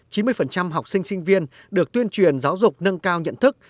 chín mươi học sinh sinh viên được tuyên truyền giáo dục nâng cao nhận thức